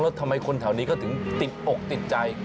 แล้วทำไมคนแถวนี้เขาถึงติดอกติดใจ